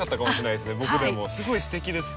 すごいすてきです。